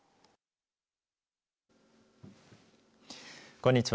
こんにちは。